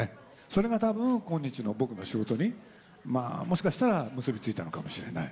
それがたぶん、今日の僕の仕事に、もしかしたら結び付いたのかもしれない。